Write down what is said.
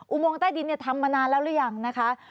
อุโมงใต้ดินทำมานานแล้วหรือยังนะคะ